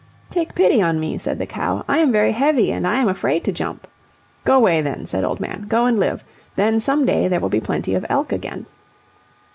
"Take pity on me," said the cow. "I am very heavy, and I am afraid to jump." "Go away, then," said Old Man; "go and live. Then some day there will be plenty of elk again."